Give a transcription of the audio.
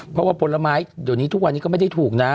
เพราะว่าผลไม้เดี๋ยวนี้ทุกวันนี้ก็ไม่ได้ถูกนะ